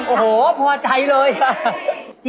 โอ้โหพอใจเลยอ่ะ